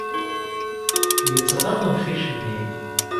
Yettɣaḍ umcic-nni.